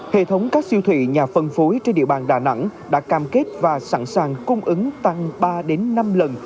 hệ thống các siêu thị nhà phân phối trên địa bàn đà nẵng đã cam kết và sẵn sàng cung ứng tăng ba đến năm lần